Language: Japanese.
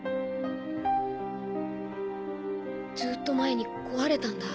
ずっと前に壊れたんだ。